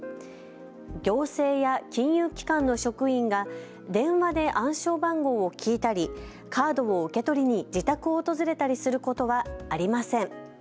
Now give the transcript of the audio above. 行政や金融機関の職員が電話で暗証番号を聞いたりカードを受け取りに自宅を訪れたりすることはありません。